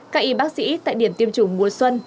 các y bác sĩ tại điểm tiêm chủng mùa xuân